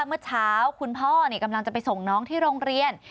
เมื่อเช้าคุณพ่อกำลังจะไปส่งน้องที่โรงเรียน